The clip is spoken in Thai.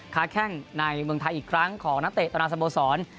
แข้งในเมืองไทยอีกครั้งของนักเตะตราสโมสร